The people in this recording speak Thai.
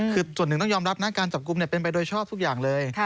คือส่วนหนึ่งต้องยอมรับนะการจับกลุ่มเป็นไปโดยชอบทุกอย่างเลย